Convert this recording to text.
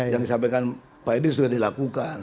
yang disampaikan pak edi sudah dilakukan